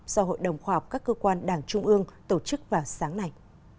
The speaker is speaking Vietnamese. do hội đồng khoa học các cơ quan đảng trung ương tổ chức vào sáng nay